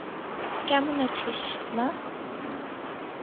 কেমন আছিস, মা?